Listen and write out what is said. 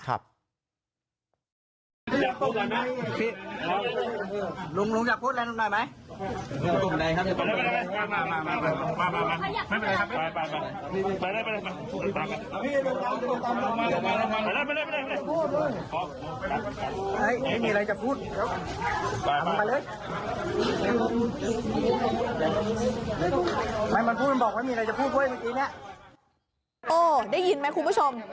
ก็บอกว่ามีอะไรจะพูดไหมโอ้ได้ยินไหมคุณผู้ชม